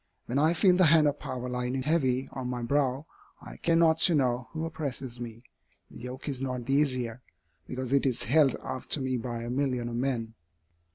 When I feel the hand of power lie heavy on my brow, I care not to know who oppresses me; the yoke is not the easier, because it is held out to me by a million of men."